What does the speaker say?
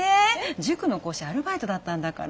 塾の講師アルバイトだったんだから。